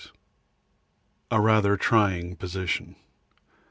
A rather trying position.